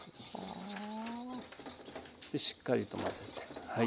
しっかりと混ぜてはい。